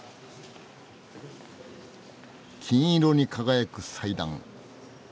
金色に輝く祭壇。